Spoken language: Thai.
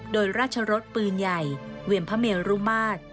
โดยราชรสปืนใหญ่เวียนพระเมรุมาตร